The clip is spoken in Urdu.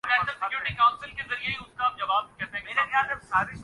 جز وہم نہیں ہستیٔ اشیا مرے آگے